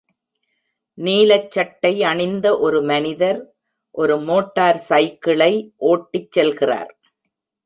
நீலச் சட்டை அணிந்த ஒரு மனிதர் ஒரு மோட்டார் சைக்கிளை ஓட்டிச் செல்கிறார்.